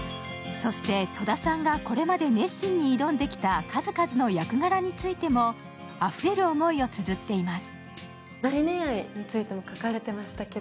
そして戸田さんがこれまで熱心に挑んできた数々の役柄についてもあふれる思いをつづっています。